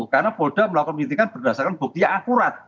karena polda melakukan penyelidikan berdasarkan bukti yang akurat